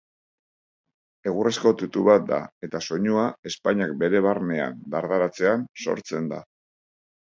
Egurrezko tutu bat da eta soinua ezpainak bere barnean dardaratzean sortzen da.